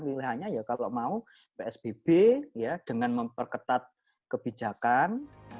pilihannya ya kalau mau psbb ya dengan memperketat kebijakan